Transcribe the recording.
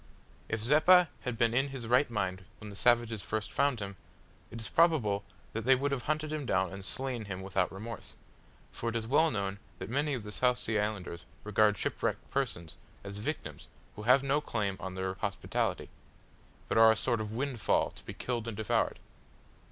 If Zeppa had been in his right mind when the savages first found him, it is probable that they would have hunted him down and slain him without remorse for it is well known that many of the South Sea Islanders regard shipwrecked persons as victims who have no claim on their hospitality, but are a sort of windfall to be killed and devoured.